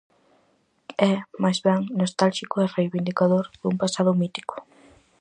É, máis ben, nostálxico e reivindicador dun pasado mítico.